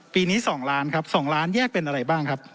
ปีนี้๒ล้านครับ๒ล้านแยกเป็นอะไรบ้างครับ